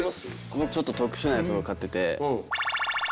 僕ちょっと特殊なやつを飼ってて。